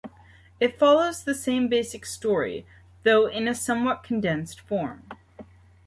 It follows the same basic story, though in a somewhat condensed form.